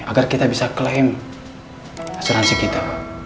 agar kita bisa klaim asuransi kita